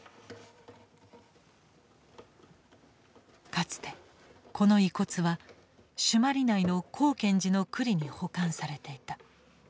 かつてこの遺骨は朱鞠内の光顕寺の庫裏に保管されていた。